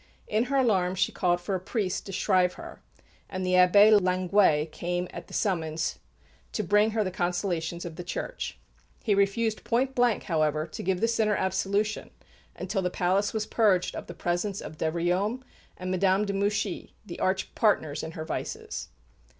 In her alarm she called for a priest to shrive her; and the Abbé Languet came at the summons to bring her the consolations of the Church. He refused point blank, however, to give the sinner absolution until the palace was purged of the presence of de Riom and Madame de Mouchy, the arch partners in her vices.